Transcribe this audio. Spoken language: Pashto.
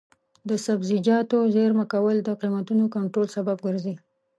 د سبزیجاتو زېرمه کول د قیمتونو کنټرول سبب ګرځي.